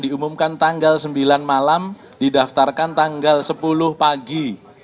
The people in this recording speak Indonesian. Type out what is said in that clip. diumumkan tanggal sembilan malam didaftarkan tanggal sepuluh pagi